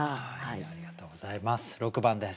ありがとうございます。